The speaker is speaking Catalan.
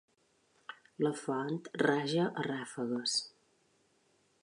La font raja a rafegues.